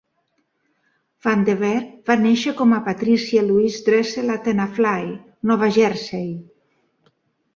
Van Devere va néixer com Patricia Louise Dressel a Tenafly, Nova Jersey.